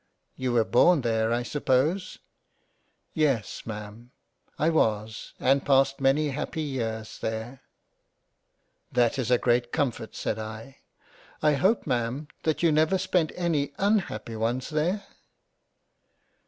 " You were born there I suppose ?"" Yes Ma'am I was and passed many happy years there —" "5 £ JANE AUSTEN " That is a great comfort — said I — I hope Ma'am that you never spent any «»happy one's there."